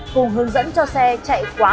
cùng hướng dẫn cho xe chạy quá